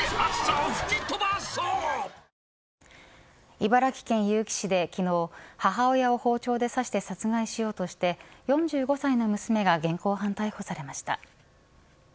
茨城県結城市で昨日母親を包丁で刺して殺害しようとして４５歳の娘が現行犯逮捕されました。